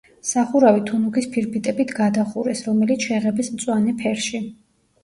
სახურავი თუნუქის ფირფიტებით გადახურეს, რომელიც შეღებეს მწვანე ფერში.